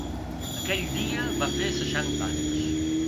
Aquell dia va fer seixanta anys.